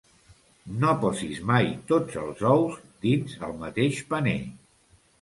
No posis mai tots els ous dins el mateix paner.